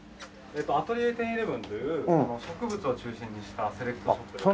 アトリエテンイレブンという植物を中心にしたセレクトショップです。